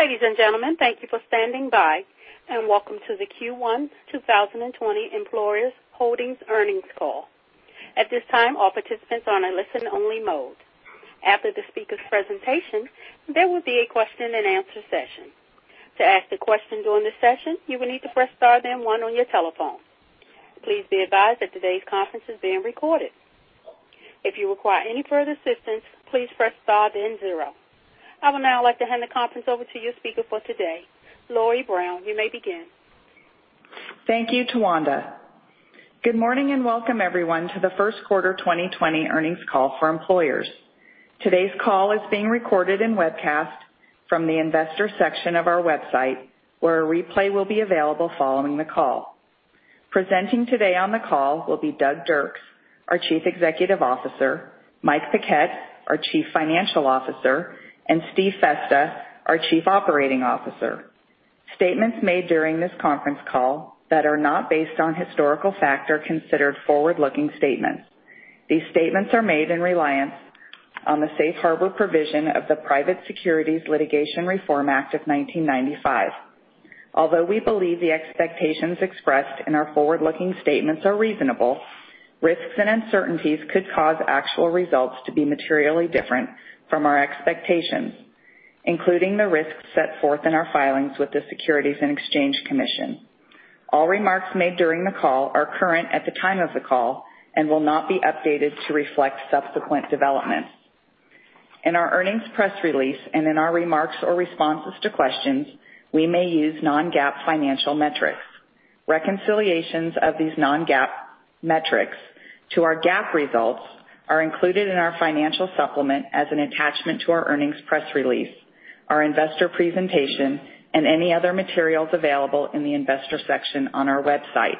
Ladies and gentlemen, thank you for standing by, and welcome to the Q1 2020 Employers Holdings Earnings Call. At this time, all participants are in listen-only mode. After the speakers' presentation, there will be a question and answer session. To ask a question during the session, you will need to press star then one on your telephone. Please be advised that today's conference is being recorded. If you require any further assistance, please press star then zero. I would now like to hand the conference over to your speaker for today. Lori Brown, you may begin. Thank you, Tawanda. Welcome everyone to the first quarter 2020 earnings call for Employers. Today's call is being recorded and webcast from the Investors section of our website, where a replay will be available following the call. Presenting today on the call will be Douglas Dirks, our Chief Executive Officer, Michael Paquette, our Chief Financial Officer, and Stephen Festa, our Chief Operating Officer. Statements made during this conference call that are not based on historical fact are considered forward-looking statements. These statements are made in reliance on the safe harbor provision of the Private Securities Litigation Reform Act of 1995. Although we believe the expectations expressed in our forward-looking statements are reasonable, risks and uncertainties could cause actual results to be materially different from our expectations, including the risks set forth in our filings with the Securities and Exchange Commission. All remarks made during the call are current at the time of the call and will not be updated to reflect subsequent developments. In our earnings press release and in our remarks or responses to questions, we may use non-GAAP financial metrics. Reconciliations of these non-GAAP metrics to our GAAP results are included in our financial supplement as an attachment to our earnings press release, our investor presentation, and any other materials available in the Investors section on our website.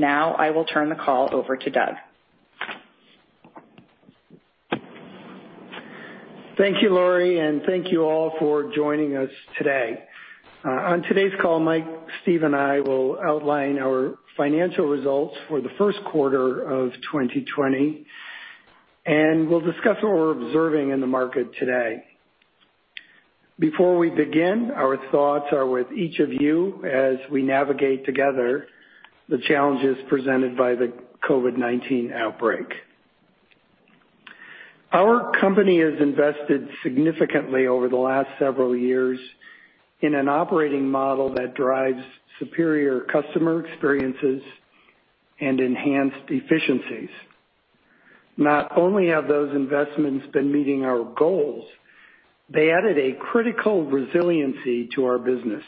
I will turn the call over to Doug. Thank you, Lori, and thank you all for joining us today. On today's call, Mike, Steve, and I will outline our financial results for the first quarter of 2020, and we'll discuss what we're observing in the market today. Before we begin, our thoughts are with each of you as we navigate together the challenges presented by the COVID-19 outbreak. Our company has invested significantly over the last several years in an operating model that drives superior customer experiences and enhanced efficiencies. Not only have those investments been meeting our goals, they added a critical resiliency to our business.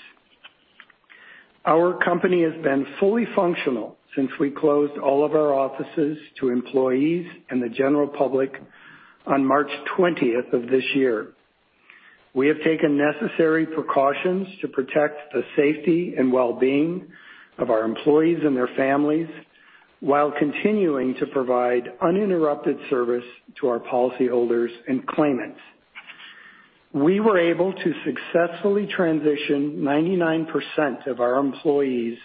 Our company has been fully functional since we closed all of our offices to employees and the general public on March 20th of this year. We have taken necessary precautions to protect the safety and well-being of our employees and their families while continuing to provide uninterrupted service to our policyholders and claimants. We were able to successfully transition 99% of our employees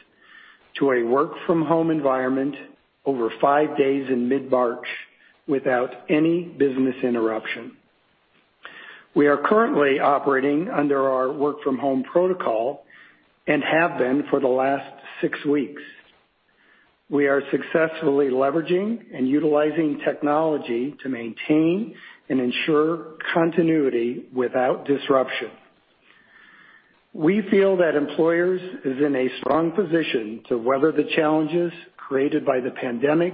to a work-from-home environment over five days in mid-March without any business interruption. We are currently operating under our work-from-home protocol and have been for the last six weeks. We are successfully leveraging and utilizing technology to maintain and ensure continuity without disruption. We feel that Employers is in a strong position to weather the challenges created by the pandemic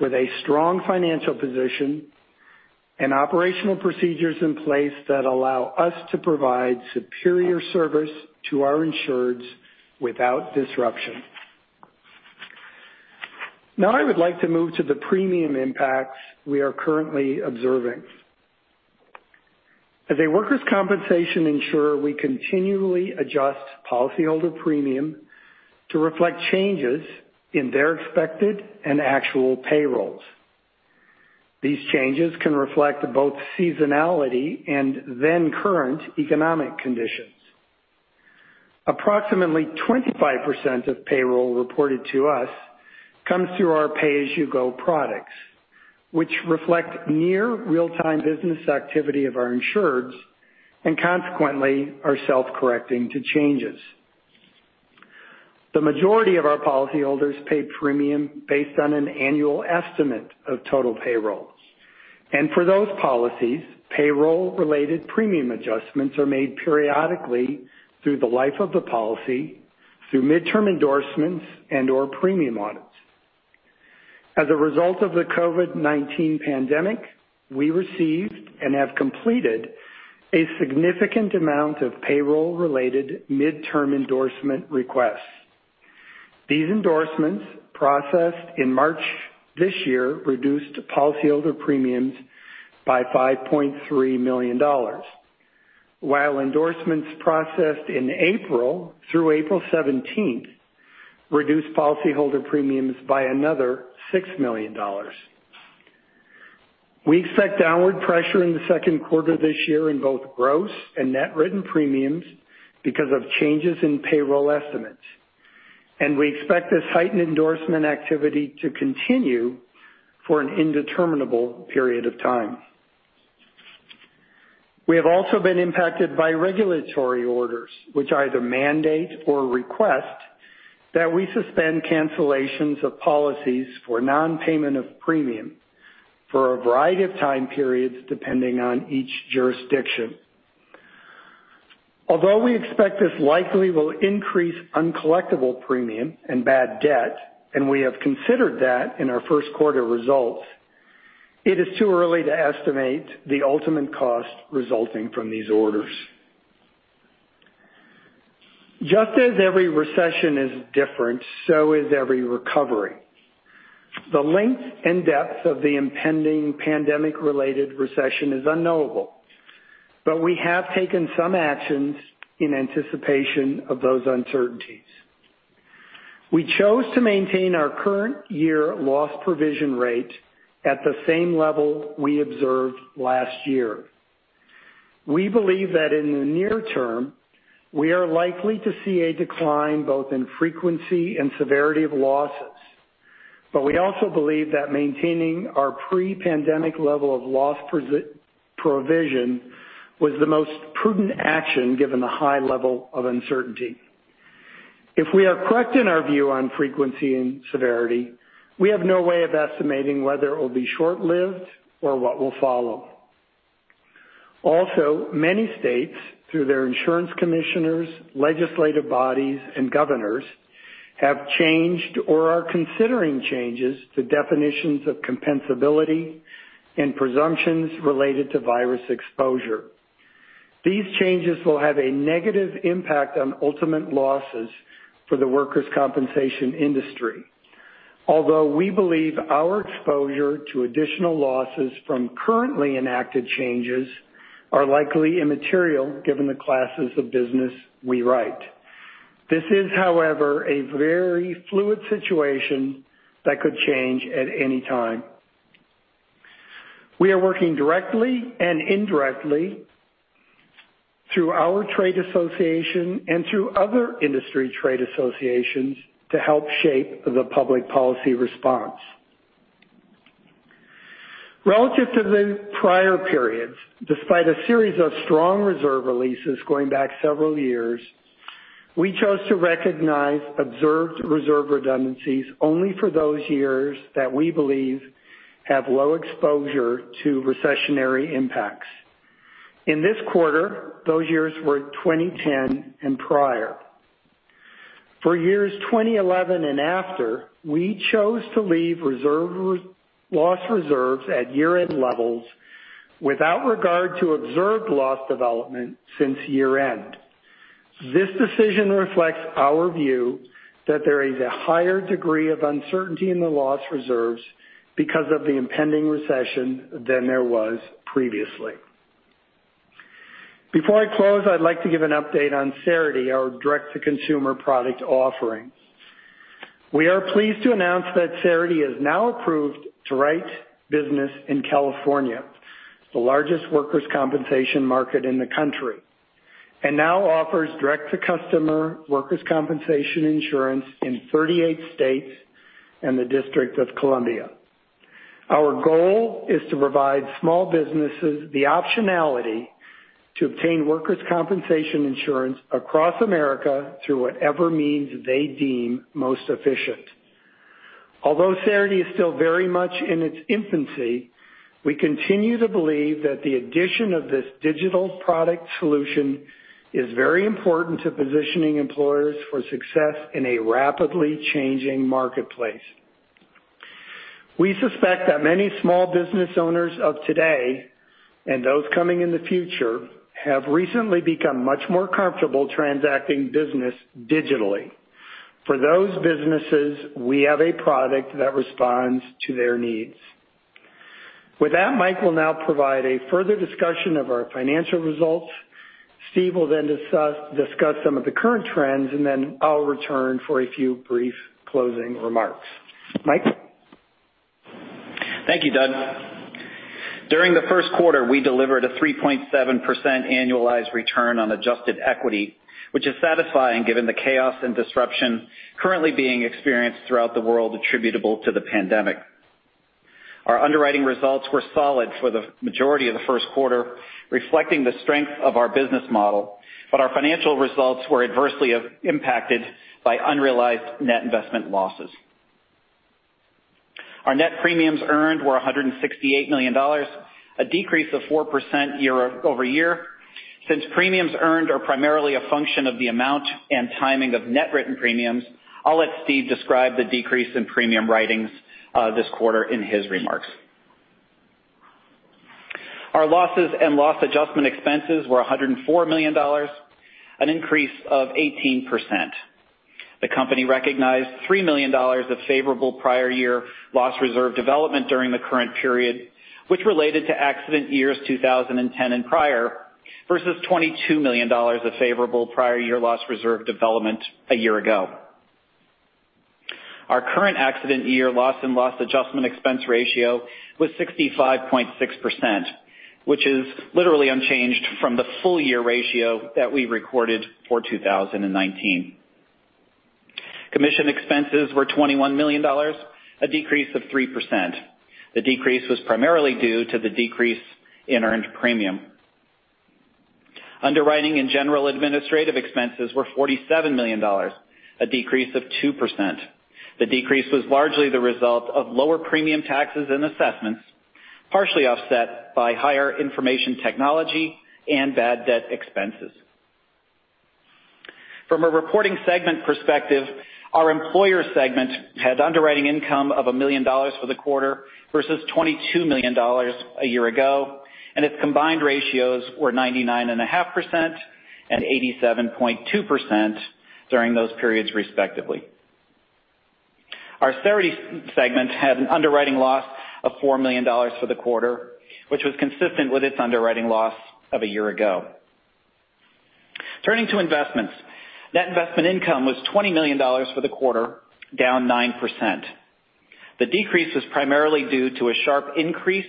with a strong financial position and operational procedures in place that allow us to provide superior service to our insureds without disruption. I would like to move to the premium impacts we are currently observing. As a workers' compensation insurer, we continually adjust policyholder premium to reflect changes in their expected and actual payrolls. These changes can reflect both seasonality and then-current economic conditions. Approximately 25% of payroll reported to us comes through our pay-as-you-go products, which reflect near real-time business activity of our insureds and consequently are self-correcting to changes. The majority of our policyholders pay premium based on an annual estimate of total payrolls. For those policies, payroll-related premium adjustments are made periodically through the life of the policy through midterm endorsements and/or premium audits. As a result of the COVID-19 pandemic, we received and have completed a significant amount of payroll-related midterm endorsement requests. These endorsements processed in March this year reduced policyholder premiums by $5.3 million, while endorsements processed in April through April 17th reduced policyholder premiums by another $6 million. We expect downward pressure in the second quarter this year in both gross and net written premiums because of changes in payroll estimates. We expect this heightened endorsement activity to continue for an indeterminable period of time. We have also been impacted by regulatory orders, which either mandate or request that we suspend cancellations of policies for non-payment of premium for a variety of time periods depending on each jurisdiction. Although we expect this likely will increase uncollectible premium and bad debt, and we have considered that in our first quarter results, it is too early to estimate the ultimate cost resulting from these orders. Just as every recession is different, so is every recovery. The length and depth of the impending pandemic-related recession is unknowable. We have taken some actions in anticipation of those uncertainties. We chose to maintain our current year loss provision rate at the same level we observed last year. We believe that in the near term, we are likely to see a decline both in frequency and severity of losses. We also believe that maintaining our pre-pandemic level of loss provision was the most prudent action, given the high level of uncertainty. If we are correct in our view on frequency and severity, we have no way of estimating whether it will be short-lived or what will follow. Many states, through their insurance commissioners, legislative bodies, and governors, have changed or are considering changes to definitions of compensability and presumptions related to virus exposure. These changes will have a negative impact on ultimate losses for the workers' compensation industry. Although we believe our exposure to additional losses from currently enacted changes are likely immaterial given the classes of business we write. This is, however, a very fluid situation that could change at any time. We are working directly and indirectly through our trade association and through other industry trade associations to help shape the public policy response. Relative to the prior periods, despite a series of strong reserve releases going back several years, we chose to recognize observed reserve redundancies only for those years that we believe have low exposure to recessionary impacts. In this quarter, those years were 2010 and prior. For years 2011 and after, we chose to leave loss reserves at year-end levels without regard to observed loss development since year-end. This decision reflects our view that there is a higher degree of uncertainty in the loss reserves because of the impending recession than there was previously. Before I close, I'd like to give an update on Cerity, our direct-to-consumer product offering. We are pleased to announce that Cerity is now approved to write business in California, the largest workers' compensation market in the country, and now offers direct-to-customer workers' compensation insurance in 38 states and the District of Columbia. Our goal is to provide small businesses the optionality to obtain workers' compensation insurance across America through whatever means they deem most efficient. Although Cerity is still very much in its infancy, we continue to believe that the addition of this digital product solution is very important to positioning Employers for success in a rapidly changing marketplace. We suspect that many small business owners of today, and those coming in the future, have recently become much more comfortable transacting business digitally. For those businesses, we have a product that responds to their needs. With that, Mike will now provide a further discussion of our financial results. Steve will then discuss some of the current trends, and then I'll return for a few brief closing remarks. Mike? Thank you, Doug. During the first quarter, we delivered a 3.7% annualized return on adjusted equity, which is satisfying given the chaos and disruption currently being experienced throughout the world attributable to the pandemic. Our underwriting results were solid for the majority of the first quarter, reflecting the strength of our business model. Our financial results were adversely impacted by unrealized net investment losses. Our net premiums earned were $168 million, a decrease of 4% year-over-year. Since premiums earned are primarily a function of the amount and timing of net written premiums, I'll let Steve describe the decrease in premium writings this quarter in his remarks. Our losses and loss adjustment expenses were $104 million, an increase of 18%. The company recognized $3 million of favorable prior year loss reserve development during the current period, which related to accident years 2010 and prior, versus $22 million of favorable prior year loss reserve development a year ago. Our current accident year loss and loss adjustment expense ratio was 65.6%, which is literally unchanged from the full-year ratio that we recorded for 2019. Commission expenses were $21 million, a decrease of 3%. The decrease was primarily due to the decrease in earned premium. Underwriting and general administrative expenses were $47 million, a decrease of 2%. The decrease was largely the result of lower premium taxes and assessments, partially offset by higher information technology and bad debt expenses. From a reporting segment perspective, our Employers segment had underwriting income of $1 million for the quarter versus $22 million a year ago, and its combined ratios were 99.5% and 87.2% during those periods, respectively. Our Cerity segment had an underwriting loss of $4 million for the quarter, which was consistent with its underwriting loss of a year ago. Turning to investments. Net investment income was $20 million for the quarter, down 9%. The decrease was primarily due to a sharp increase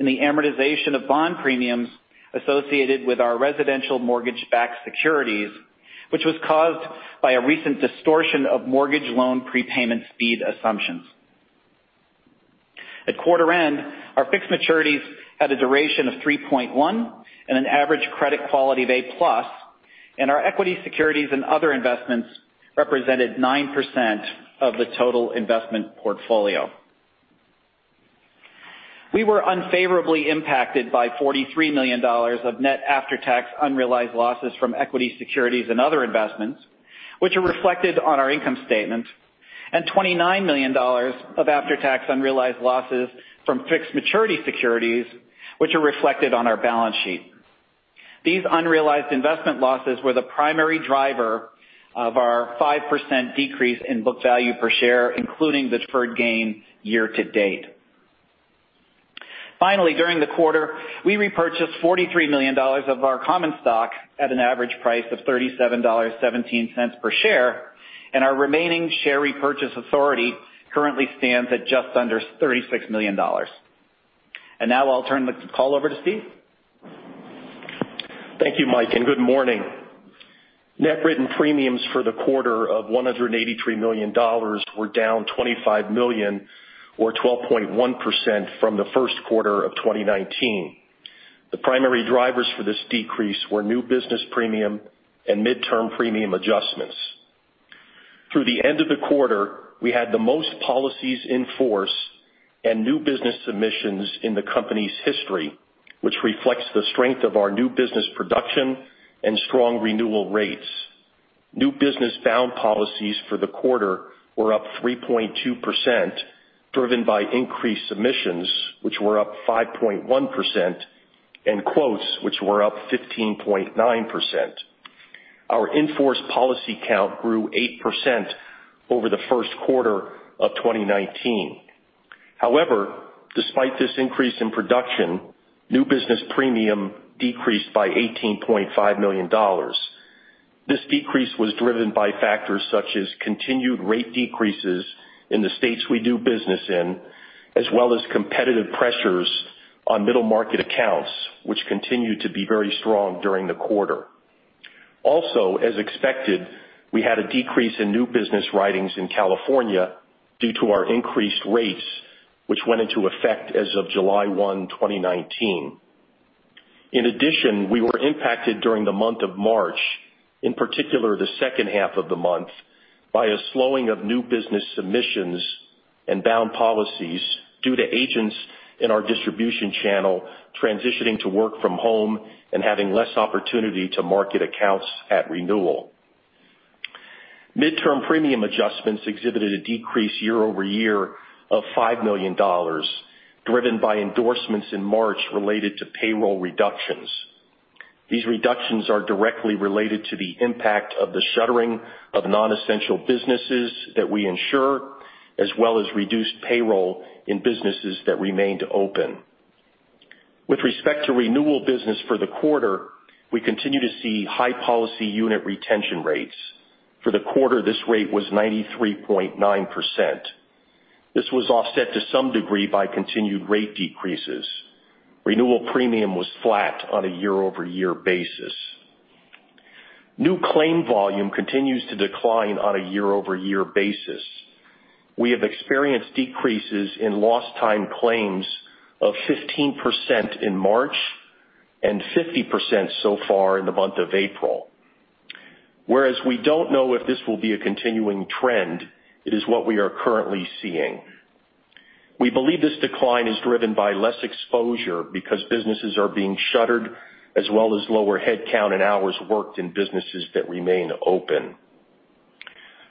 in the amortization of bond premiums associated with our residential mortgage-backed securities, which was caused by a recent distortion of mortgage loan prepayment speed assumptions. At quarter end, our fixed maturities had a duration of 3.1 and an average credit quality of A-plus, and our equity securities and other investments represented 9% of the total investment portfolio. We were unfavorably impacted by $43 million of net after-tax unrealized losses from equity securities and other investments, which are reflected on our income statement, and $29 million of after-tax unrealized losses from fixed maturity securities, which are reflected on our balance sheet. These unrealized investment losses were the primary driver of our 5% decrease in book value per share, including deferred gain year to date. Finally, during the quarter, we repurchased $43 million of our common stock at an average price of $37.17 per share, and our remaining share repurchase authority currently stands at just under $36 million. Now I'll turn the call over to Steve. Thank you, Mike, and good morning. Net written premiums for the quarter of $183 million were down $25 million or 12.1% from the first quarter of 2019. The primary drivers for this decrease were new business premium and midterm premium adjustments. Through the end of the quarter, we had the most policies in force and new business submissions in the company's history, which reflects the strength of our new business production and strong renewal rates. New business bound policies for the quarter were up 3.2%, driven by increased submissions, which were up 5.1%, and quotes, which were up 15.9%. Our in-force policy count grew 8% over the first quarter of 2019. However, despite this increase in production, new business premium decreased by $18.5 million. This decrease was driven by factors such as continued rate decreases in the states we do business in, as well as competitive pressures on middle market accounts, which continued to be very strong during the quarter. Also, as expected, we had a decrease in new business writings in California due to our increased rates, which went into effect as of July 1, 2019. In addition, we were impacted during the month of March, in particular the second half of the month, by a slowing of new business submissions and bound policies due to agents in our distribution channel transitioning to work from home and having less opportunity to market accounts at renewal. Midterm premium adjustments exhibited a decrease year-over-year of $5 million, driven by endorsements in March related to payroll reductions. These reductions are directly related to the impact of the shuttering of non-essential businesses that we insure, as well as reduced payroll in businesses that remained open. With respect to renewal business for the quarter, we continue to see high policy unit retention rates. For the quarter, this rate was 93.9%. This was offset to some degree by continued rate decreases. Renewal premium was flat on a year-over-year basis. New claim volume continues to decline on a year-over-year basis. We have experienced decreases in lost time claims of 15% in March and 50% so far in the month of April. Whereas we don't know if this will be a continuing trend, it is what we are currently seeing. We believe this decline is driven by less exposure because businesses are being shuttered as well as lower headcount and hours worked in businesses that remain open.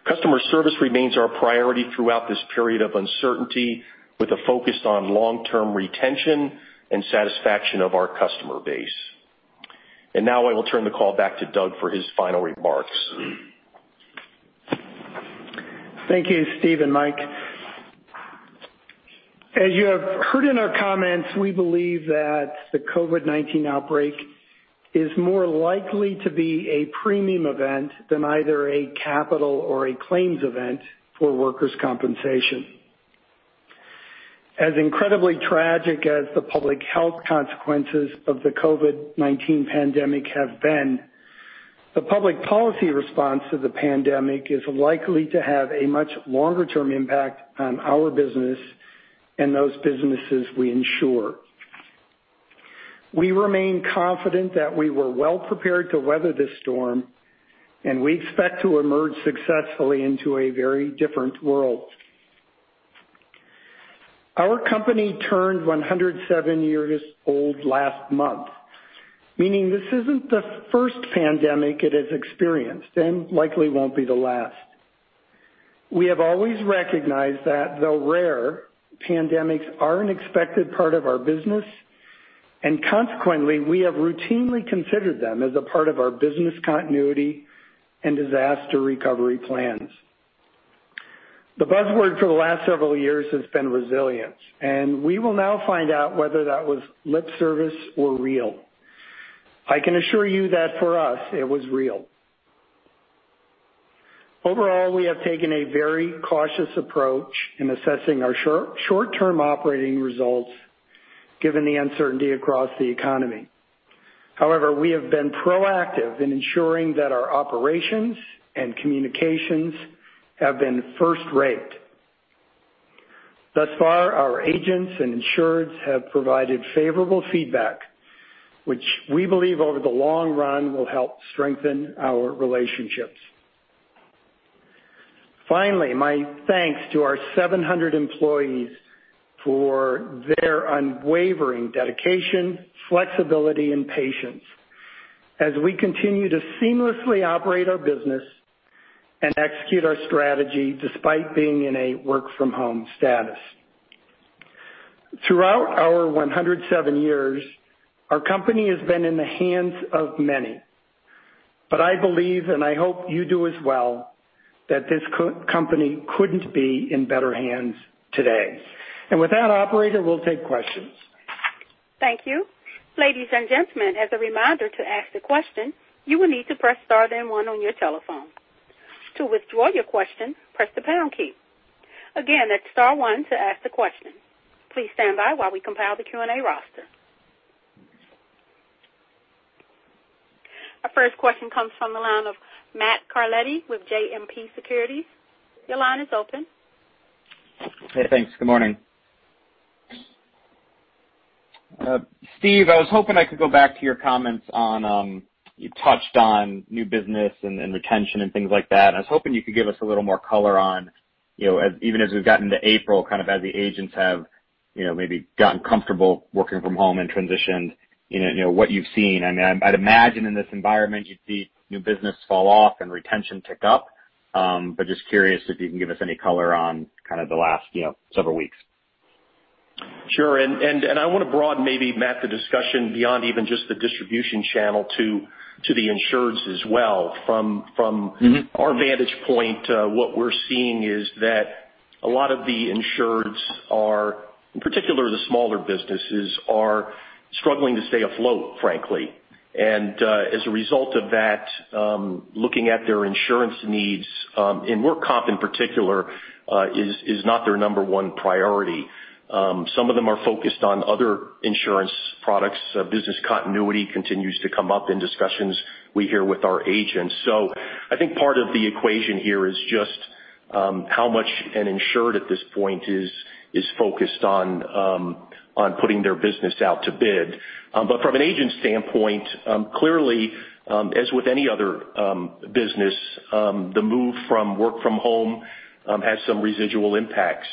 Customer service remains our priority throughout this period of uncertainty, with a focus on long-term retention and satisfaction of our customer base. Now I will turn the call back to Doug for his final remarks. Thank you, Steve and Mike. As you have heard in our comments, we believe that the COVID-19 outbreak is more likely to be a premium event than either a capital or a claims event for workers' compensation. As incredibly tragic as the public health consequences of the COVID-19 pandemic have been, the public policy response to the pandemic is likely to have a much longer-term impact on our business and those businesses we insure. We remain confident that we were well-prepared to weather this storm, and we expect to emerge successfully into a very different world. Our company turned 107 years old last month, meaning this isn't the first pandemic it has experienced and likely won't be the last. We have always recognized that, though rare, pandemics are an expected part of our business, and consequently, we have routinely considered them as a part of our business continuity and disaster recovery plans. The buzzword for the last several years has been resilience, and we will now find out whether that was lip service or real. I can assure you that for us, it was real. Overall, we have taken a very cautious approach in assessing our short-term operating results given the uncertainty across the economy. However, we have been proactive in ensuring that our operations and communications have been first-rate. Thus far, our agents and insureds have provided favorable feedback, which we believe over the long run will help strengthen our relationships. Finally, my thanks to our 700 employees for their unwavering dedication, flexibility, and patience as we continue to seamlessly operate our business and execute our strategy despite being in a work-from-home status. Throughout our 107 years, our company has been in the hands of many, but I believe, and I hope you do as well, that this company couldn't be in better hands today. With that, operator, we'll take questions. Thank you. Ladies and gentlemen, as a reminder, to ask the question, you will need to press star then one on your telephone. To withdraw your question, press the pound key. Again, that's star one to ask the question. Please stand by while we compile the Q&A roster. Our first question comes from the line of Matthew Carletti with JMP Securities. Your line is open. Hey, thanks. Good morning. Steve, I was hoping I could go back to your comments on, you touched on new business and retention and things like that, and I was hoping you could give us a little more color on, even as we've gotten to April, kind of as the agents have maybe gotten comfortable working from home and transitioned, what you've seen. I'd imagine in this environment, you'd see new business fall off and retention tick up. Just curious if you can give us any color on kind of the last several weeks. Sure. I want to broaden maybe, Matt, the discussion beyond even just the distribution channel to the insureds as well. From our vantage point, what we're seeing is that a lot of the insureds are, in particular the smaller businesses, are struggling to stay afloat, frankly. As a result of that, looking at their insurance needs, and work comp in particular, is not their number one priority. Some of them are focused on other insurance products. Business continuity continues to come up in discussions we hear with our agents. I think part of the equation here is just how much an insured at this point is focused on putting their business out to bid. From an agent standpoint, clearly, as with any other business, the move from work from home has some residual impacts.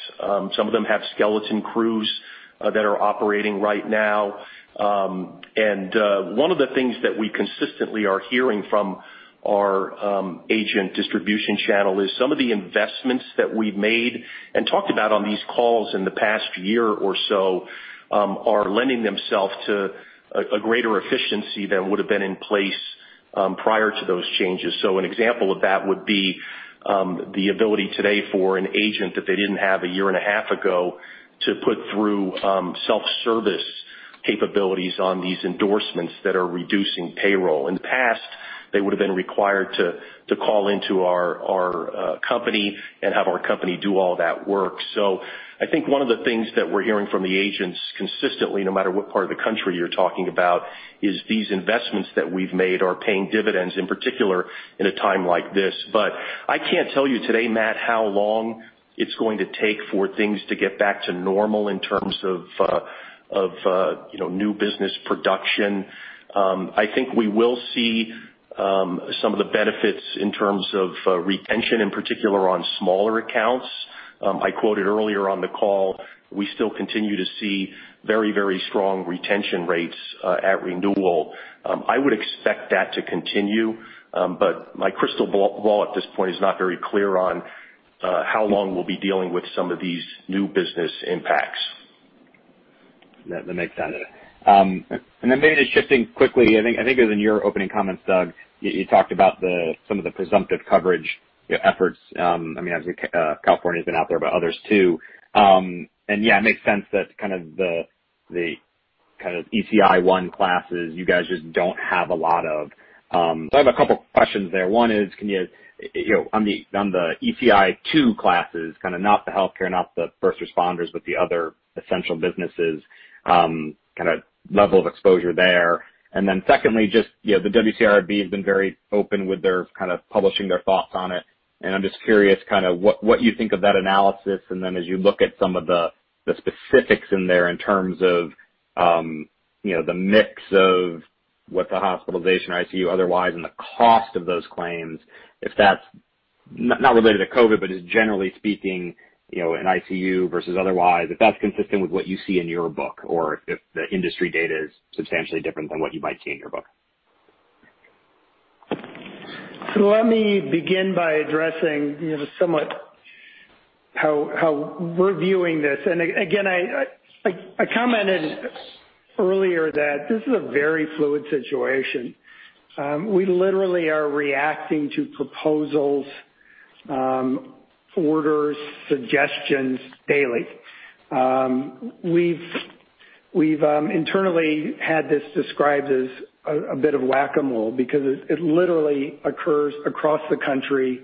Some of them have skeleton crews that are operating right now. One of the things that we consistently are hearing from our agent distribution channel is some of the investments that we've made and talked about on these calls in the past year or so are lending themselves to a greater efficiency than would have been in place prior to those changes. An example of that would be the ability today for an agent that they didn't have a year and a half ago to put through self-service capabilities on these endorsements that are reducing payroll. In the past, they would have been required to call into our company and have our company do all that work. I think one of the things that we're hearing from the agents consistently, no matter what part of the country you're talking about, is these investments that we've made are paying dividends, in particular, in a time like this. I can't tell you today, Matt, how long it's going to take for things to get back to normal in terms of new business production. I think we will see some of the benefits in terms of retention, in particular on smaller accounts. I quoted earlier on the call, we still continue to see very strong retention rates at renewal. I would expect that to continue. My crystal ball at this point is not very clear on how long we'll be dealing with some of these new business impacts. That makes sense. Maybe just shifting quickly, I think it was in your opening comments, Doug, you talked about some of the presumptive coverage efforts. I mean, California's been out there, but others too. It makes sense that the kind of ECI classes, you guys just don't have a lot of. I have a couple questions there. One is, on the ECI 2 classes, not the healthcare, not the first responders, but the other essential businesses, level of exposure there. Secondly, just the WCIRB has been very open with publishing their thoughts on it, and I'm just curious what you think of that analysis, and then as you look at some of the specifics in there in terms of the mix of what the hospitalization ICU otherwise and the cost of those claims, if that's not related to COVID, but is generally speaking, an ICU versus otherwise, if that's consistent with what you see in your book, or if the industry data is substantially different than what you might see in your book. Let me begin by addressing somewhat how we're viewing this. Again, I commented earlier that this is a very fluid situation. We literally are reacting to proposals, orders, suggestions daily. We've internally had this described as a bit of whack-a-mole because it literally occurs across the country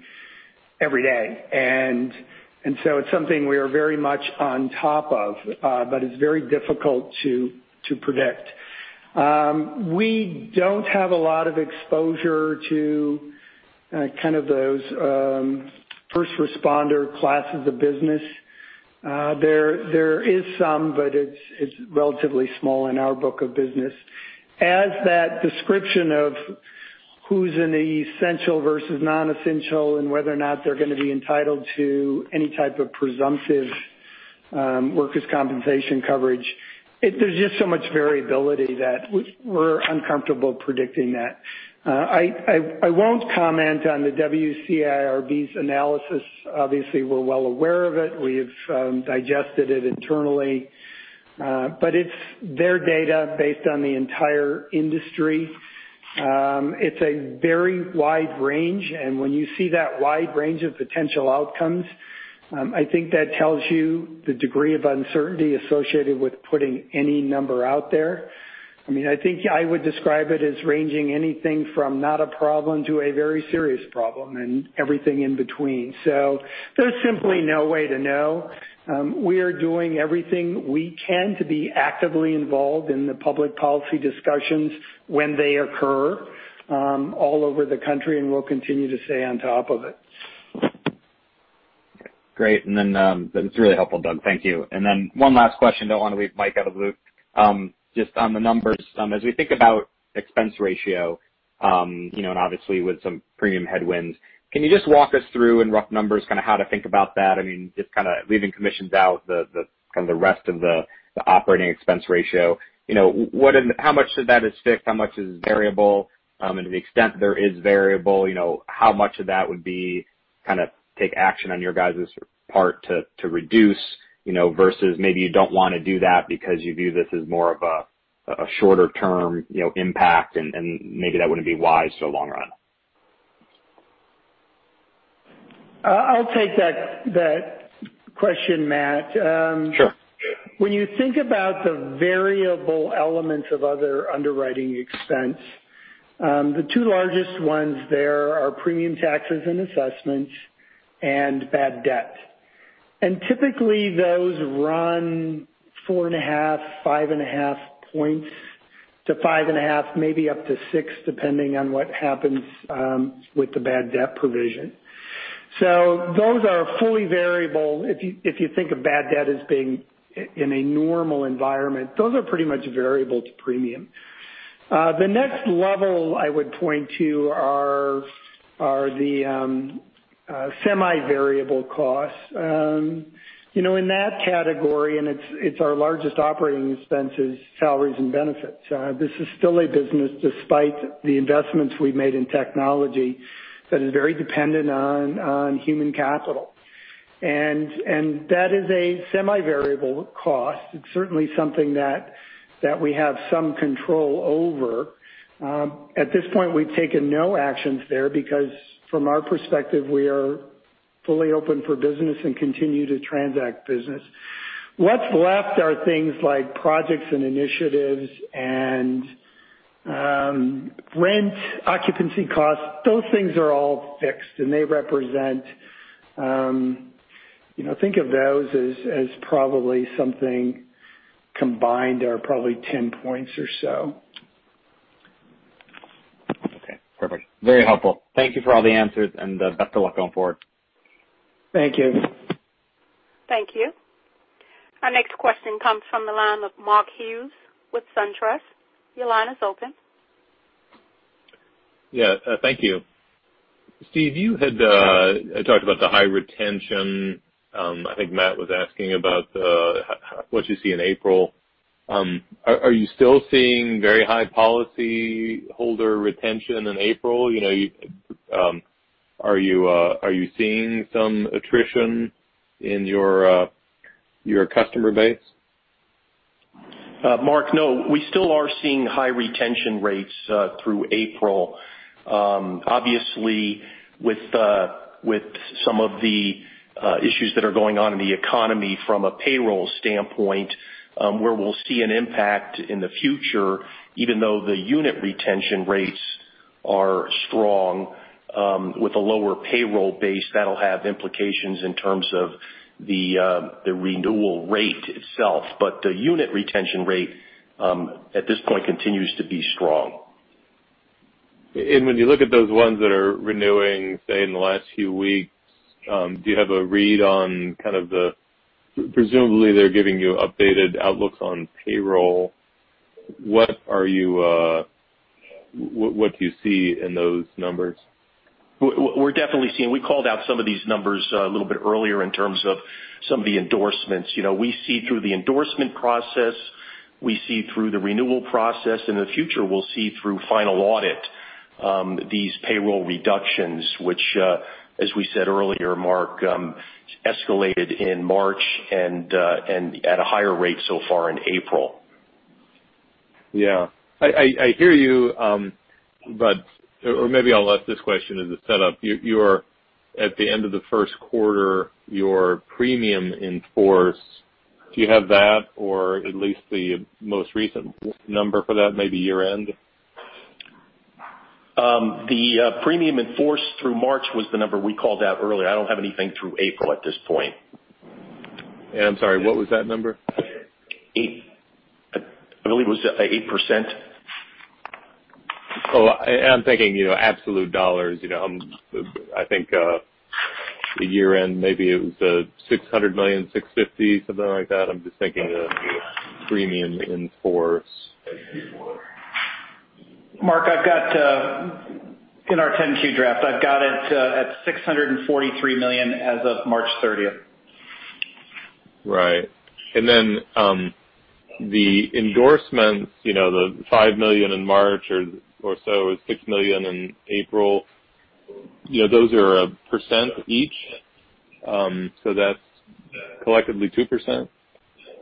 every day. It's something we are very much on top of, but it's very difficult to predict. We don't have a lot of exposure to those first responder classes of business. There is some, but it's relatively small in our book of business. As that description of who's an essential versus non-essential and whether or not they're going to be entitled to any type of presumptive workers' compensation coverage, there's just so much variability that we're uncomfortable predicting that. I won't comment on the WCIRB's analysis. Obviously, we're well aware of it. We've digested it internally. It's their data based on the entire industry. It's a very wide range, and when you see that wide range of potential outcomes, I think that tells you the degree of uncertainty associated with putting any number out there. I think I would describe it as ranging anything from not a problem to a very serious problem and everything in between. There's simply no way to know. We are doing everything we can to be actively involved in the public policy discussions when they occur all over the country, and we'll continue to stay on top of it. Great. That's really helpful, Doug. Thank you. One last question, don't want to leave Mike out of the loop. On the numbers, as we think about expense ratio, obviously with some premium headwinds, can you just walk us through in rough numbers how to think about that? I mean, leaving commissions out, the rest of the operating expense ratio. How much of that is fixed? How much is variable? To the extent there is variable, how much of that would take action on your guys' part to reduce, versus maybe you don't want to do that because you view this as more of a shorter-term impact and maybe that wouldn't be wise for the long run. I'll take that question, Matt. Sure. When you think about the variable elements of other underwriting expense, the two largest ones there are premium taxes and assessments and bad debt. Typically those run four and a half, five and a half points to five and a half, maybe up to six, depending on what happens with the bad debt provision. Those are fully variable. If you think of bad debt as being in a normal environment, those are pretty much variable to premium. The next level I would point to are the semi-variable costs. In that category, and it's our largest operating expense, is salaries and benefits. This is still a business, despite the investments we've made in technology, that is very dependent on human capital. That is a semi-variable cost. It's certainly something that we have some control over. At this point, we've taken no actions there because from our perspective, we are fully open for business and continue to transact business. What's left are things like projects and initiatives and rent, occupancy costs. Those things are all fixed, they represent, think of those as probably something combined are probably 10 points or so. Okay, perfect. Very helpful. Thank you for all the answers, and best of luck going forward. Thank you. Thank you. Our next question comes from the line of Mark Hughes with Truist. Your line is open. Yeah. Thank you. Steve, you had talked about the high retention. I think Matt was asking about what you see in April. Are you still seeing very high policy holder retention in April? Are you seeing some attrition in your customer base? Mark, no. We still are seeing high retention rates through April. Obviously, with some of the issues that are going on in the economy from a payroll standpoint, where we'll see an impact in the future, even though the unit retention rates are strong with a lower payroll base, that'll have implications in terms of the renewal rate itself. The unit retention rate, at this point, continues to be strong. When you look at those ones that are renewing, say, in the last few weeks, do you have a read on presumably they're giving you updated outlooks on payroll. What do you see in those numbers? We're definitely seeing. We called out some of these numbers a little bit earlier in terms of some of the endorsements. We see through the endorsement process, we see through the renewal process. In the future, we'll see through final audit these payroll reductions, which, as we said earlier, Mark, escalated in March and at a higher rate so far in April. Yeah. I hear you, or maybe I'll let this question as a setup. At the end of the first quarter, your premium in force, do you have that or at least the most recent number for that, maybe year-end? The premium in force through March was the number we called out earlier. I don't have anything through April at this point. I'm sorry, what was that number? I believe it was 8%. Oh, I'm thinking absolute dollars. I think, the year-end, maybe it was $600 million, $650, something like that. I'm just thinking of the premium in force. Mark, in our 10-Q draft, I've got it at $643 million as of March 30th. Right. The endorsements, the $5 million in March or so, or $6 million in April, those are a % each. That's collectively 2%?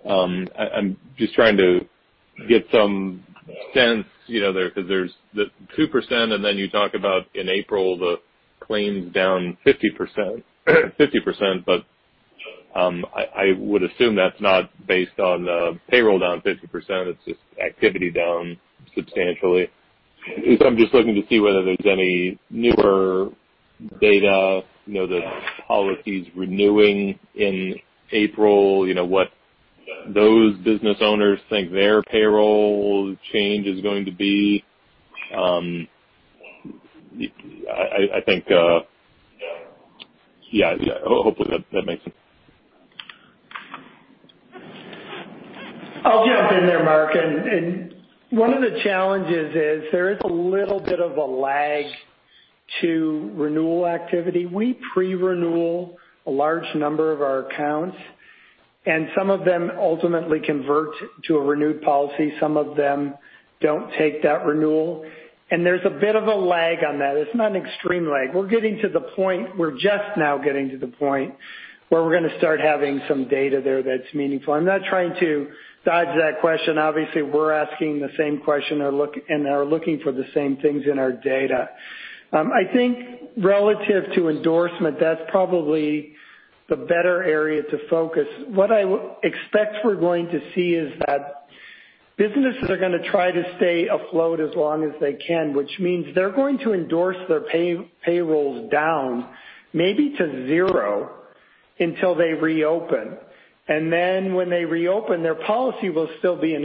I'm just trying to get some sense, because there's the 2%, you talk about in April, the claims down 50%. I would assume that's not based on the payroll down 50%, it's just activity down substantially. I'm just looking to see whether there's any newer data, the policies renewing in April, what those business owners think their payroll change is going to be. Hopefully, that makes sense. I'll jump in there, Mark. One of the challenges is there is a little bit of a lag to renewal activity. We pre-renewal a large number of our accounts, some of them ultimately convert to a renewed policy. Some of them don't take that renewal, there's a bit of a lag on that. It's not an extreme lag. We're just now getting to the point where we're going to start having some data there that's meaningful. I'm not trying to dodge that question. Obviously, we're asking the same question and are looking for the same things in our data. I think relative to endorsement, that's probably the better area to focus. What I expect we're going to see is that businesses are going to try to stay afloat as long as they can, which means they're going to endorse their payrolls down maybe to zero until they reopen. When they reopen, their policy will still be in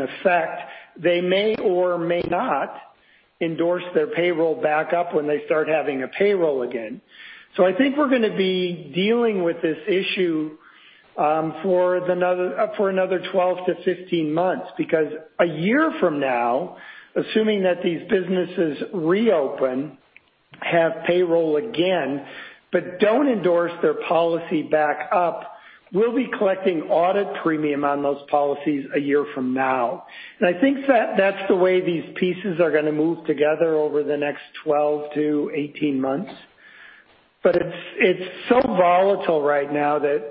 effect. They may or may not endorse their payroll back up when they start having a payroll again. I think we're going to be dealing with this issue for another 12 to 15 months, because a year from now, assuming that these businesses reopen, have payroll again, don't endorse their policy back up, we'll be collecting audit premium on those policies a year from now. I think that's the way these pieces are going to move together over the next 12 to 18 months. It's so volatile right now that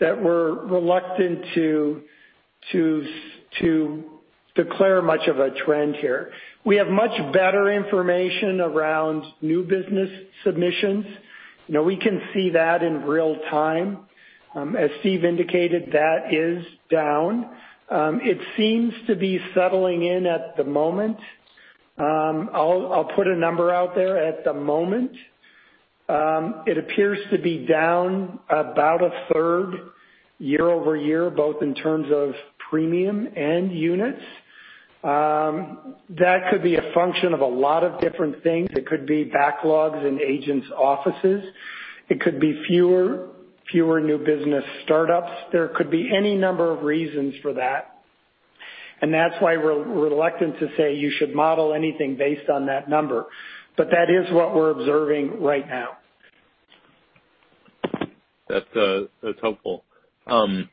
we're reluctant to declare much of a trend here. We have much better information around new business submissions. We can see that in real time. As Steve indicated, that is down. It seems to be settling in at the moment. I'll put a number out there. At the moment, it appears to be down about a third year-over-year, both in terms of premium and units. That could be a function of a lot of different things. It could be backlogs in agents' offices. It could be fewer new business startups. There could be any number of reasons for that, and that's why we're reluctant to say you should model anything based on that number. That is what we're observing right now. That's helpful. When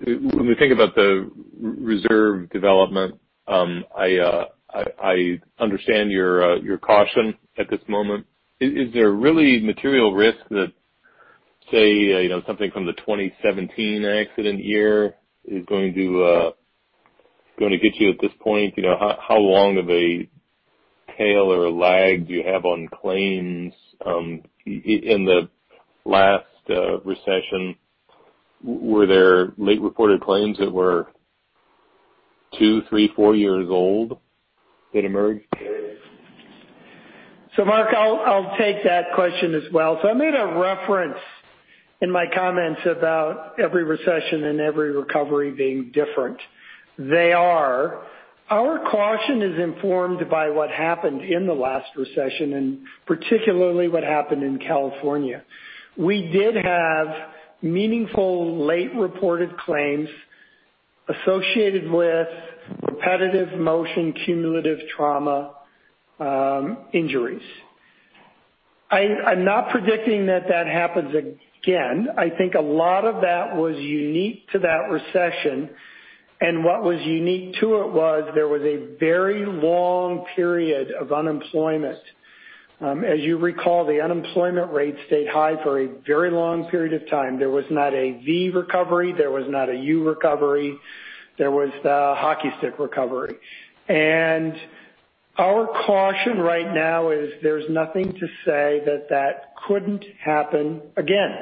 we think about the reserve development, I understand your caution at this moment. Is there really material risk that say, something from the 2017 accident year is going to get you at this point? How long of a tail or a lag do you have on claims? In the last recession, were there late reported claims that were two, three, four years old that emerged? Mark, I'll take that question as well. I made a reference in my comments about every recession and every recovery being different. They are. Our caution is informed by what happened in the last recession, and particularly what happened in California. We did have meaningful late reported claims associated with repetitive motion, cumulative trauma injuries. I'm not predicting that that happens again. I think a lot of that was unique to that recession, and what was unique to it was there was a very long period of unemployment. As you recall, the unemployment rate stayed high for a very long period of time. There was not a V recovery, there was not a U recovery, there was the hockey stick recovery. Our caution right now is there's nothing to say that that couldn't happen again.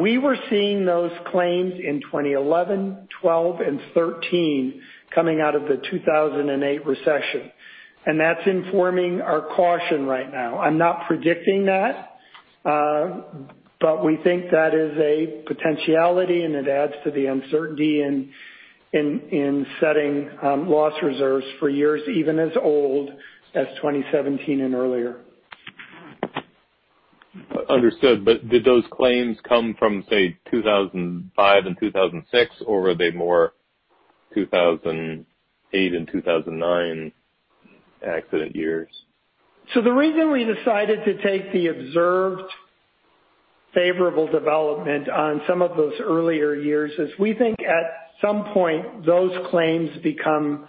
We were seeing those claims in 2011, 2012 and 2013 coming out of the 2008 recession, and that's informing our caution right now. I'm not predicting that. We think that is a potentiality and it adds to the uncertainty in setting loss reserves for years, even as old as 2017 and earlier. Understood. Did those claims come from, say, 2005 and 2006? Or were they more 2008 and 2009 accident years? The reason we decided to take the observed favorable development on some of those earlier years is we think at some point, those claims become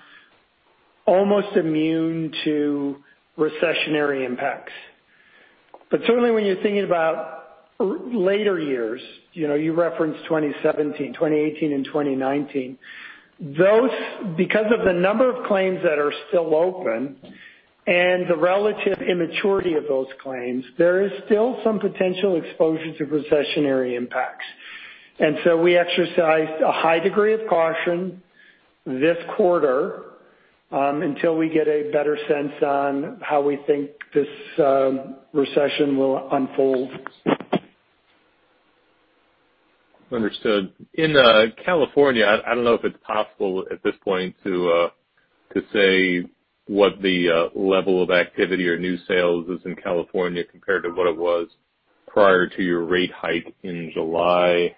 almost immune to recessionary impacts. Certainly, when you're thinking about later years, you referenced 2017, 2018 and 2019. Because of the number of claims that are still open and the relative immaturity of those claims, there is still some potential exposure to recessionary impacts. We exercised a high degree of caution this quarter, until we get a better sense on how we think this recession will unfold. Understood. In California, I don't know if it's possible at this point to say what the level of activity or new sales is in California compared to what it was prior to your rate hike in July.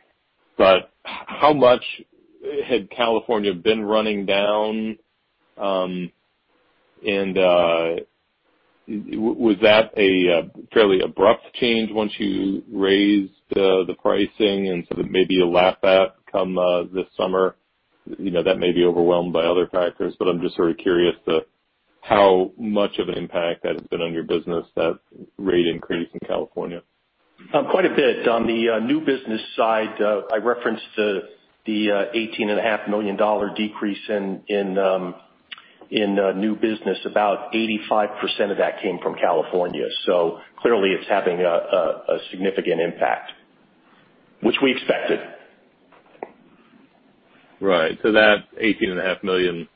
How much had California been running down? Was that a fairly abrupt change once you raised the pricing and sort of maybe a lap come this summer? That may be overwhelmed by other factors, but I'm just very curious how much of an impact that has been on your business, that rate increase in California. Quite a bit. On the new business side, I referenced the $18.5 million decrease in new business. About 85% of that came from California. Clearly it's having a significant impact, which we expected. Right. That $18.5 million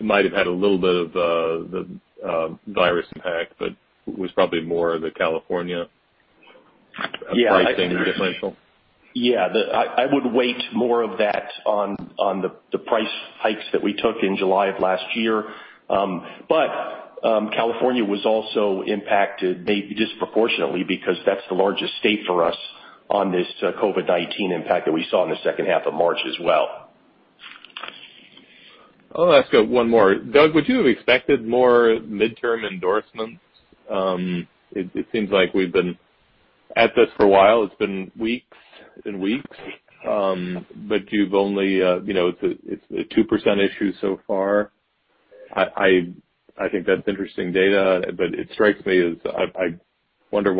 might have had a little bit of the virus impact, but was probably more the California pricing differential. Yeah. I would weigh more of that on the price hikes that we took in July of last year. California was also impacted, maybe disproportionately, because that's the largest state for us on this COVID-19 impact that we saw in the second half of March as well. I'll ask one more. Doug, would you have expected more midterm endorsements? It seems like we've been at this for a while. It's been weeks and weeks. It's a 2% issue so far. I think that's interesting data, but it strikes me as, I wonder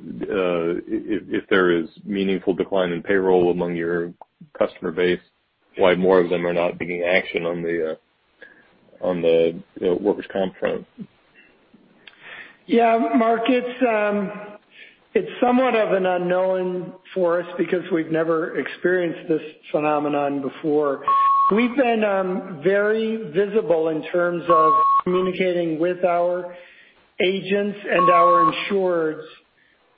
if there is meaningful decline in payroll among your customer base, why more of them are not taking action on the workers' comp front. Yeah, Mark, it's somewhat of an unknown for us because we've never experienced this phenomenon before. We've been very visible in terms of communicating with our agents and our insureds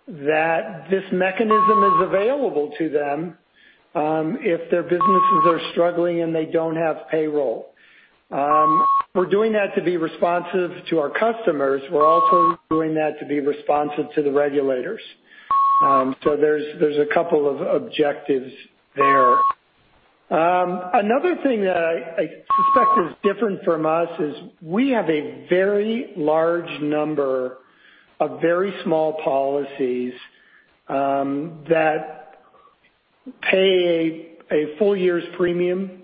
that this mechanism is available to them, if their businesses are struggling and they don't have payroll. We're doing that to be responsive to our customers. We're also doing that to be responsive to the regulators. There's a couple of objectives there. Another thing that I suspect is different from us is we have a very large number of very small policies that pay a full year's premium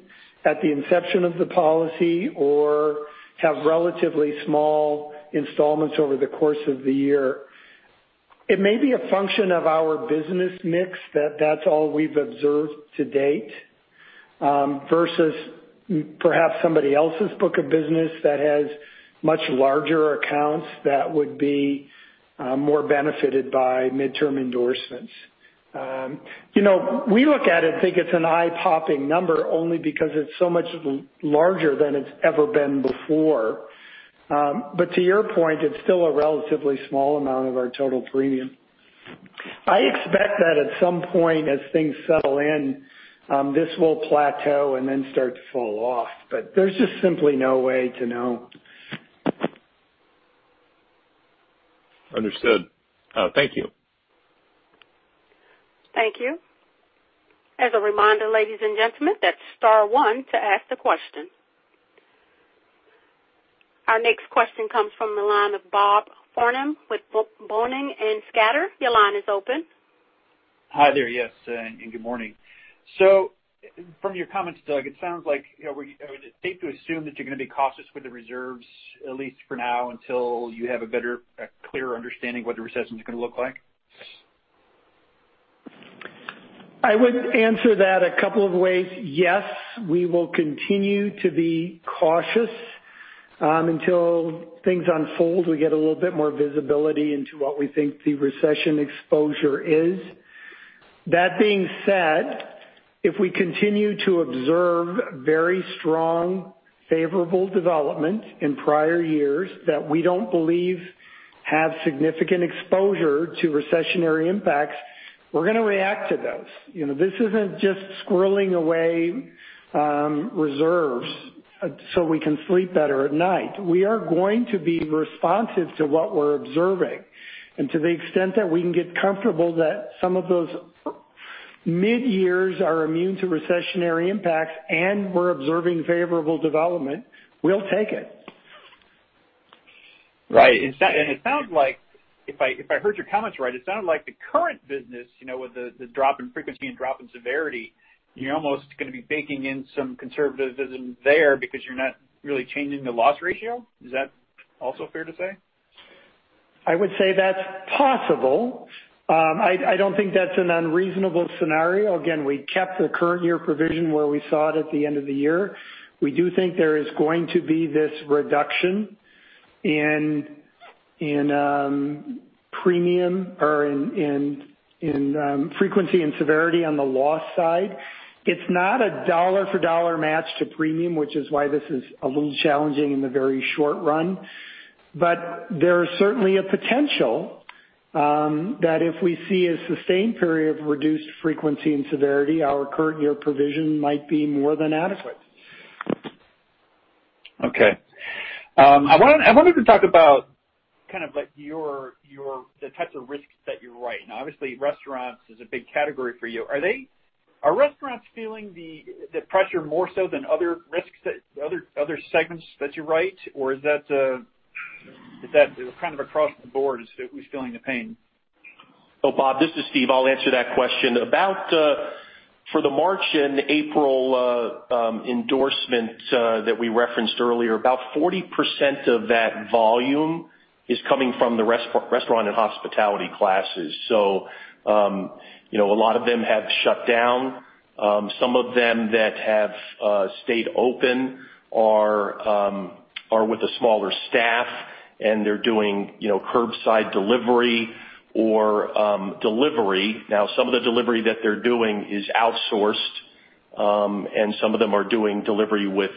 at the inception of the policy or have relatively small installments over the course of the year. It may be a function of our business mix that that's all we've observed to date, versus perhaps somebody else's book of business that has much larger accounts that would be more benefited by midterm endorsements. We look at it and think it's an eye-popping number, only because it's so much larger than it's ever been before. To your point, it's still a relatively small amount of our total premium. I expect that at some point, as things settle in, this will plateau and then start to fall off, but there's just simply no way to know. Understood. Thank you. Thank you. As a reminder, ladies and gentlemen, that's star one to ask the question. Our next question comes from the line of Bob Farnam with Boenning & Scattergood. Your line is open. Hi there. Yes, good morning. From your comments, Doug, it sounds like, I would take to assume that you're going to be cautious with the reserves, at least for now, until you have a better, clearer understanding of what the recession is going to look like? I would answer that a couple of ways. Yes, we will continue to be cautious until things unfold. We get a little bit more visibility into what we think the recession exposure is. That being said, if we continue to observe very strong favorable development in prior years that we don't believe have significant exposure to recessionary impacts, we're going to react to those. This isn't just squirreling away reserves so we can sleep better at night. We are going to be responsive to what we're observing and to the extent that we can get comfortable that some of those mid-years are immune to recessionary impacts and we're observing favorable development, we'll take it. Right. If I heard your comments right, it sounded like the current business, with the drop in frequency and drop in severity, you're almost going to be baking in some conservativism there because you're not really changing the loss ratio. Is that also fair to say? I would say that's possible. I don't think that's an unreasonable scenario. Again, we kept the current year provision where we saw it at the end of the year. We do think there is going to be this reduction in premium or in frequency and severity on the loss side. It's not a dollar for dollar match to premium, which is why this is a little challenging in the very short run. There's certainly a potential that if we see a sustained period of reduced frequency and severity, our current year provision might be more than adequate. Okay. I wanted to talk about the types of risks that you write. Obviously, restaurants is a big category for you. Are restaurants feeling the pressure more so than other segments that you write? Or is that kind of across the board who's feeling the pain? Oh, Bob, this is Steve. I'll answer that question. For the March and April endorsement that we referenced earlier, about 40% of that volume is coming from the restaurant and hospitality classes. A lot of them have shut down. Some of them that have stayed open are with a smaller staff, and they're doing curbside delivery or delivery. Some of the delivery that they're doing is outsourced, and some of them are doing delivery with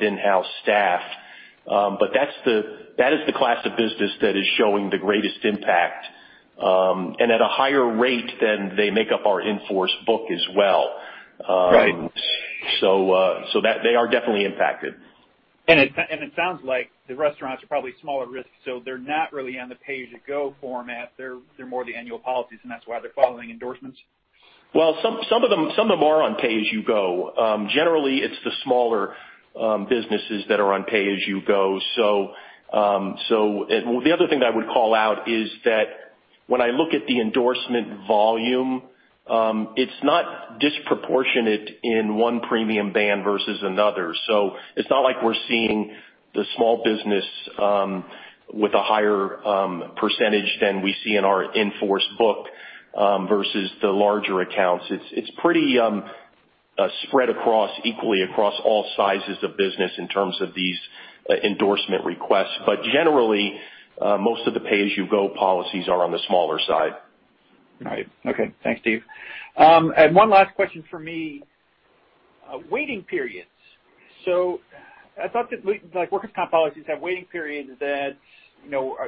in-house staff. That is the class of business that is showing the greatest impact, and at a higher rate than they make up our in-force book as well. Right. They are definitely impacted. It sounds like the restaurants are probably smaller risks, so they're not really on the pay-as-you-go format. They're more the annual policies, and that's why they're following endorsements. Well, some of them are on pay-as-you-go. Generally, it's the smaller businesses that are on pay-as-you-go. The other thing that I would call out is that when I look at the endorsement volume, it's not disproportionate in one premium band versus another. It's not like we're seeing the small business with a higher percentage than we see in our in-force book versus the larger accounts. It's pretty spread equally across all sizes of business in terms of these endorsement requests. Generally, most of the pay-as-you-go policies are on the smaller side. Right. Okay, thanks, Steve. One last question from me. Waiting periods. I thought that workers' comp policies have waiting periods that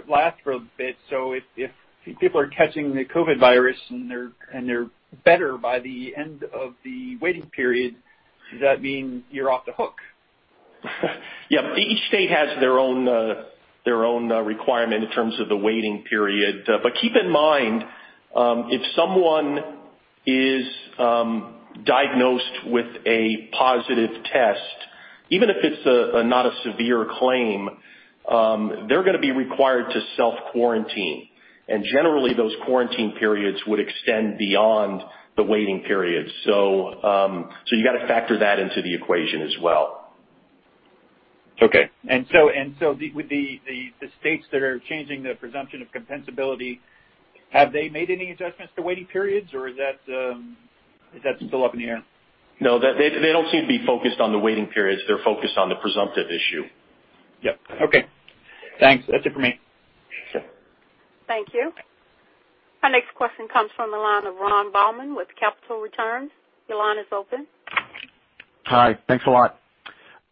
last for a bit. If people are catching the COVID virus and they're better by the end of the waiting period, does that mean you're off the hook? Yeah. Each state has their own requirement in terms of the waiting period. Keep in mind, if someone is diagnosed with a positive test, even if it's not a severe claim, they're going to be required to self-quarantine. Generally, those quarantine periods would extend beyond the waiting period. You got to factor that into the equation as well. Okay. With the states that are changing the presumption of compensability, have they made any adjustments to waiting periods, or is that still up in the air? No. They don't seem to be focused on the waiting periods. They're focused on the presumptive issue. Yep. Okay. Thanks. That's it for me. Sure. Thank you. Our next question comes from the line of Ron Bobman with Capital Returns. Your line is open. Hi. Thanks a lot.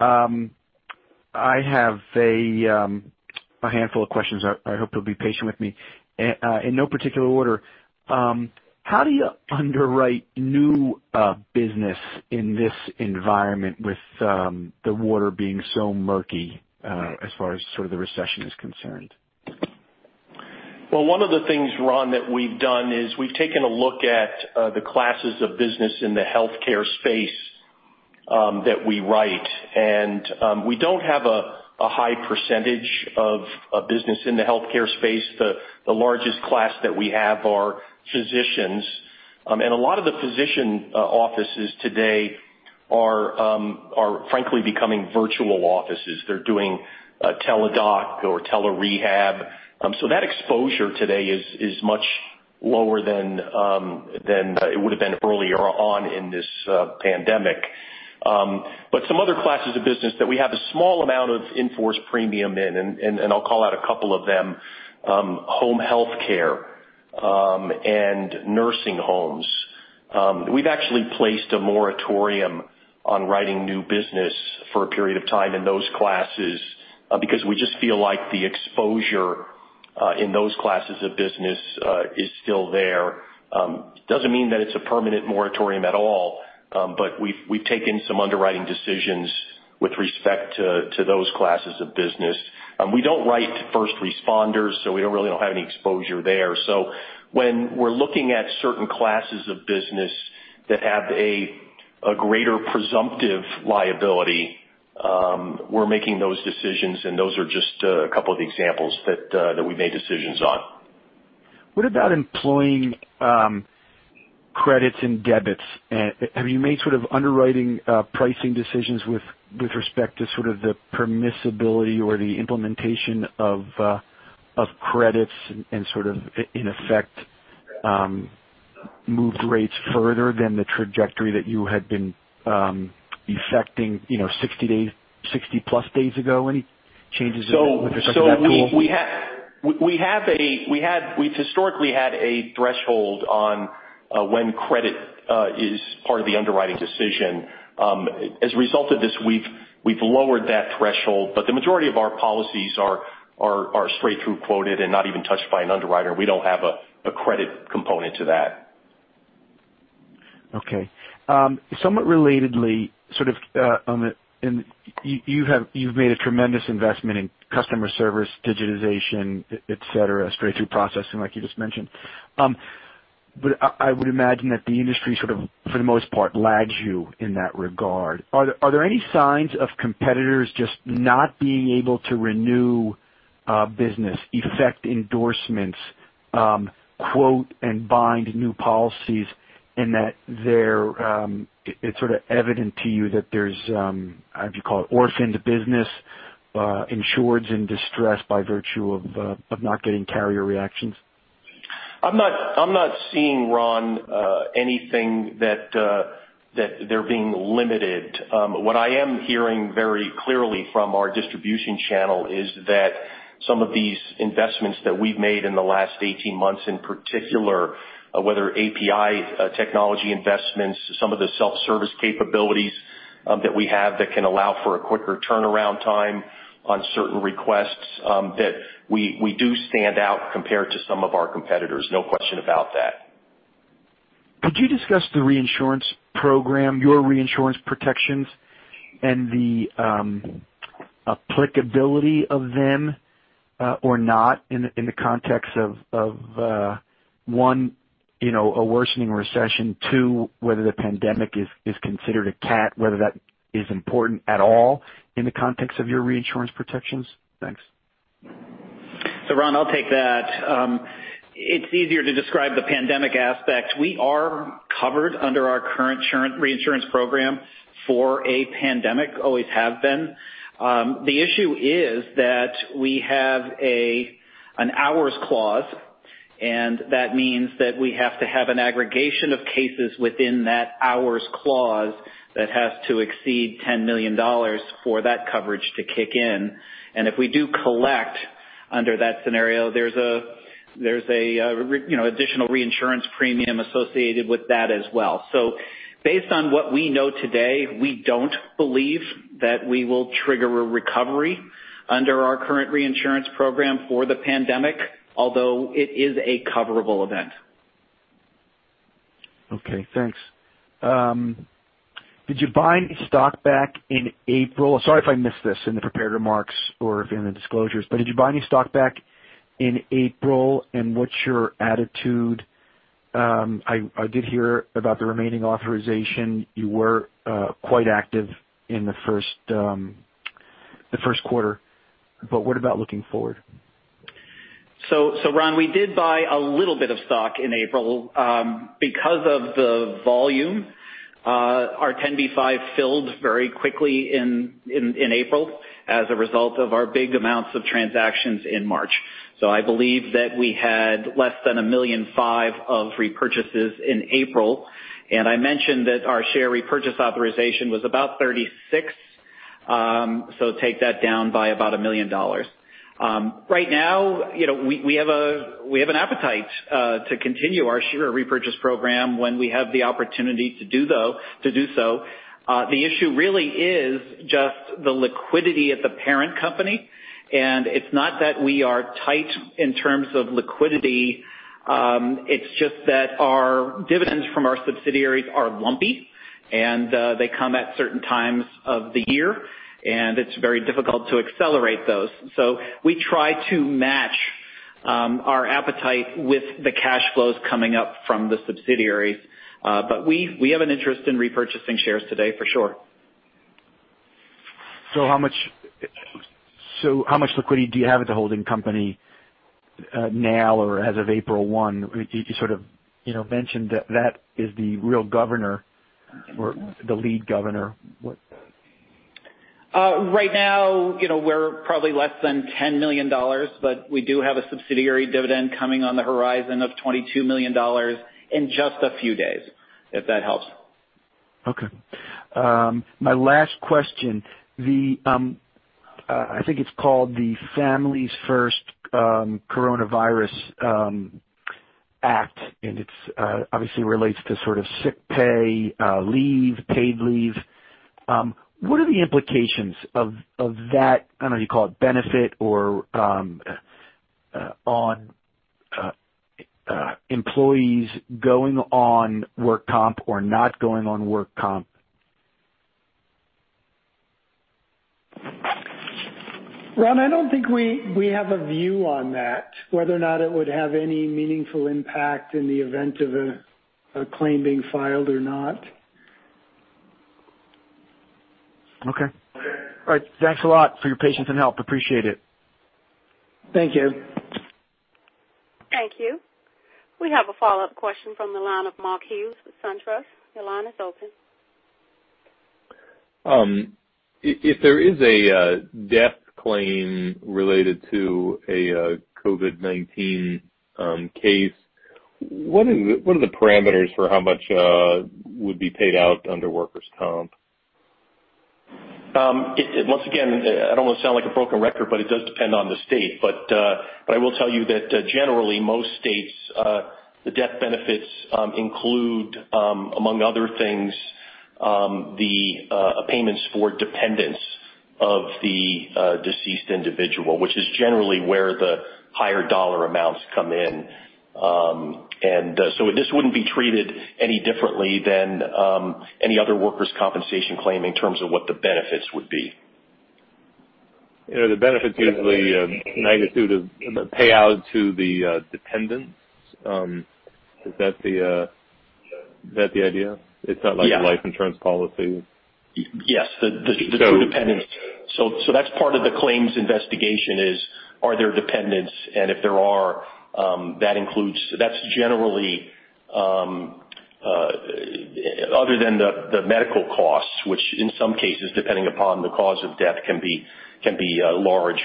I have a handful of questions. I hope you'll be patient with me. In no particular order, how do you underwrite new business in this environment with the water being so murky as far as sort of the recession is concerned? Well, one of the things, Ron, that we've done is we've taken a look at the classes of business in the healthcare space that we write. We don't have a high percentage of business in the healthcare space. The largest class that we have are physicians. A lot of the physician offices today are frankly becoming virtual offices. They're doing Teladoc or Telerehabilitation. That exposure today is much lower than it would've been earlier on in this pandemic. Some other classes of business that we have a small amount of in-force premium in, and I'll call out a couple of them, home healthcare and nursing homes. We've actually placed a moratorium on writing new business for a period of time in those classes because we just feel like the exposure in those classes of business is still there. We've taken some underwriting decisions with respect to those classes of business. We don't write first responders, we don't really have any exposure there. When we're looking at certain classes of business that have a greater presumptive liability, we're making those decisions, and those are just a couple of the examples that we've made decisions on. What about employing credits and debits? Have you made sort of underwriting pricing decisions with respect to sort of the permissibility or the implementation of credits and sort of, in effect, moved rates further than the trajectory that you had been effecting 60-plus days ago? Any changes with respect to that at all? We've historically had a threshold on when credit is part of the underwriting decision. As a result of this, we've lowered that threshold, the majority of our policies are straight-through quoted and not even touched by an underwriter. We don't have a credit component to that. Okay. Somewhat relatedly, you've made a tremendous investment in customer service, digitization, et cetera, straight-through processing, like you just mentioned. I would imagine that the industry sort of, for the most part, lags you in that regard. Are there any signs of competitors just not being able to renew business, effect endorsements, quote, and bind new policies, and that it's sort of evident to you that there's, how would you call it, orphaned business, insureds in distress by virtue of not getting carrier reactions? I'm not seeing, Ron, anything that they're being limited. What I am hearing very clearly from our distribution channel is that some of these investments that we've made in the last 18 months, in particular, whether API technology investments, some of the self-service capabilities that we have that can allow for a quicker turnaround time on certain requests, that we do stand out compared to some of our competitors. No question about that. Could you discuss the reinsurance program, your reinsurance protections, and the applicability of them or not in the context of, one, a worsening recession, two, whether the pandemic is considered a cat, whether that is important at all in the context of your reinsurance protections? Thanks. Ron, I'll take that. It's easier to describe the pandemic aspect. We are covered under our current reinsurance program for a pandemic, always have been. The issue is that we have an hours clause, and that means that we have to have an aggregation of cases within that hours clause that has to exceed $10 million for that coverage to kick in. If we do collect under that scenario, there's an additional reinsurance premium associated with that as well. Based on what we know today, we don't believe that we will trigger a recovery under our current reinsurance program for the pandemic, although it is a coverable event. Okay, thanks. Did you buy any stock back in April? Sorry if I missed this in the prepared remarks or in the disclosures, but did you buy any stock back in April, and what's your attitude? I did hear about the remaining authorization. You were quite active in the first quarter. What about looking forward? Ron, we did buy a little bit of stock in April. Because of the volume, our 10b5-1 filled very quickly in April as a result of our big amounts of transactions in March. I believe that we had less than $1.5 million of repurchases in April, I mentioned that our share repurchase authorization was about $36 million. Take that down by about $1 million. Right now, we have an appetite to continue our share repurchase program when we have the opportunity to do so. The issue really is just the liquidity at the parent company, it's not that we are tight in terms of liquidity. It's just that our dividends from our subsidiaries are lumpy, they come at certain times of the year, it's very difficult to accelerate those. We try to match our appetite with the cash flows coming up from the subsidiaries. We have an interest in repurchasing shares today for sure. How much liquidity do you have at the holding company now or as of April 1? You sort of mentioned that is the real governor or the lead governor. Right now, we're probably less than $10 million, we do have a subsidiary dividend coming on the horizon of $22 million in just a few days, if that helps. Okay. My last question. I think it's called the Families First Coronavirus Act, it obviously relates to sort of sick pay, leave, paid leave. What are the implications of that, I don't know if you call it benefit or on employees going on work comp or not going on work comp? Ron, I don't think we have a view on that, whether or not it would have any meaningful impact in the event of a claim being filed or not. Okay. All right. Thanks a lot for your patience and help. Appreciate it. Thank you. Thank you. We have a follow-up question from the line of Mark Hughes with Truist. Your line is open. If there is a death claim related to a COVID-19 case, what are the parameters for how much would be paid out under workers' comp? Once again, I don't want to sound like a broken record, it does depend on the state. I will tell you that generally, most states the death benefits include among other things, the payments for dependents of the deceased individual, which is generally where the higher dollar amounts come in. This wouldn't be treated any differently than any other workers' compensation claim in terms of what the benefits would be. The benefits usually magnitude of payout to the dependents. Is that the idea? Yeah. It's not like a life insurance policy. Yes. The dependents. That's part of the claims investigation is, are there dependents, and if there are, that's generally other than the medical costs, which in some cases, depending upon the cause of death, can be large.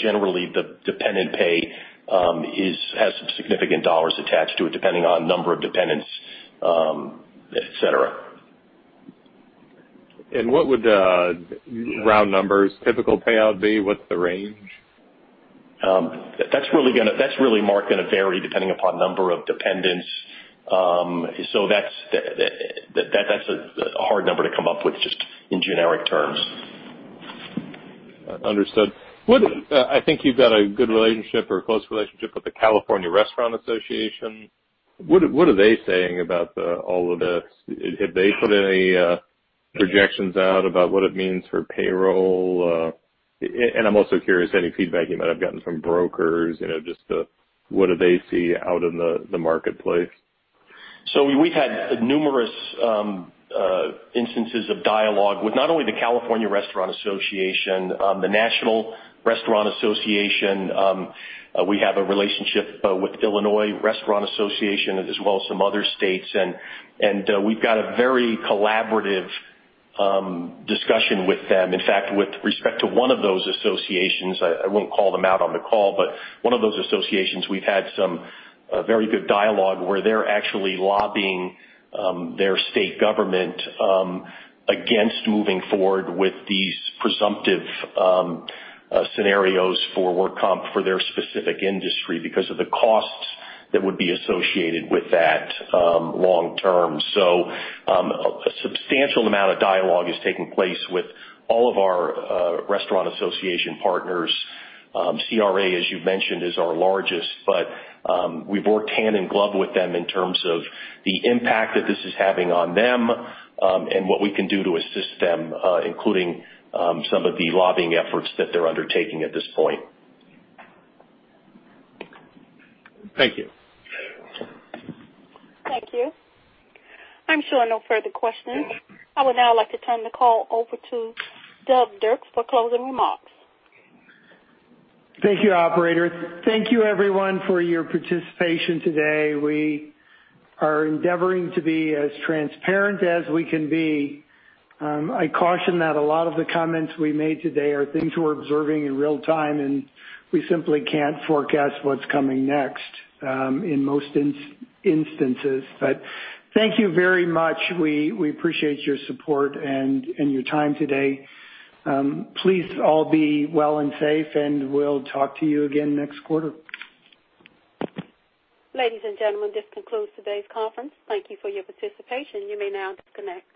Generally, the dependent pay has some significant dollars attached to it, depending on number of dependents etcetera. What would the round numbers typical payout be? What's the range? That's really, Mark, going to vary depending upon number of dependents. That's a hard number to come up with just in generic terms. Understood. I think you've got a good relationship or a close relationship with the California Restaurant Association. What are they saying about all of this? Have they put any projections out about what it means for payroll? I'm also curious, any feedback you might have gotten from brokers, just what do they see out in the marketplace? We've had numerous instances of dialogue with not only the California Restaurant Association, the National Restaurant Association. We have a relationship with Illinois Restaurant Association as well as some other states, we've got a very collaborative discussion with them. In fact, with respect to one of those associations, I won't call them out on the call, but one of those associations, we've had some very good dialogue where they're actually lobbying their state government against moving forward with these presumptive scenarios for work comp for their specific industry because of the costs that would be associated with that long term. A substantial amount of dialogue is taking place with all of our restaurant association partners. CRA, as you mentioned, is our largest, we've worked hand in glove with them in terms of the impact that this is having on them and what we can do to assist them including some of the lobbying efforts that they're undertaking at this point. Thank you. Thank you. I'm showing no further questions. I would now like to turn the call over to Doug Dirks for closing remarks. Thank you, operator. Thank you everyone for your participation today. We are endeavoring to be as transparent as we can be. I caution that a lot of the comments we made today are things we're observing in real time, and we simply can't forecast what's coming next in most instances. Thank you very much. We appreciate your support and your time today. Please all be well and safe, and we'll talk to you again next quarter. Ladies and gentlemen, this concludes today's conference. Thank you for your participation. You may now disconnect.